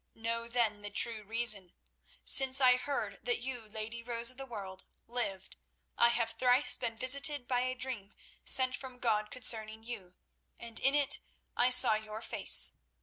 Know then the true reason. Since I heard that you, Lady Rose of the World, lived, I have thrice been visited by a dream sent from God concerning you, and in it I saw your face.